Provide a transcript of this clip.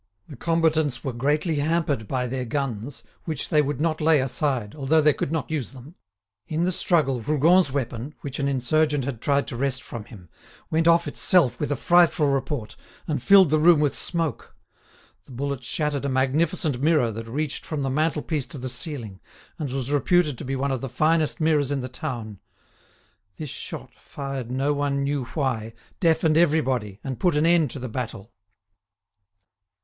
The combatants were greatly hampered by their guns, which they would not lay aside, although they could not use them. In the struggle, Rougon's weapon, which an insurgent had tried to wrest from him, went off of itself with a frightful report, and filled the room with smoke. The bullet shattered a magnificent mirror that reached from the mantelpiece to the ceiling, and was reputed to be one of the finest mirrors in the town. This shot, fired no one knew why, deafened everybody, and put an end to the battle.